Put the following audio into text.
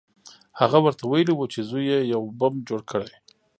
هغه ورته ویلي وو چې زوی یې یو بم جوړ کړی